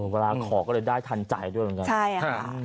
เวลาขอก็เลยได้ทันใจด้วยเหมือนกันใช่ค่ะ